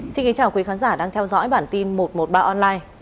xin kính chào quý khán giả đang theo dõi bản tin một trăm một mươi ba online